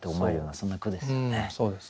そうですね。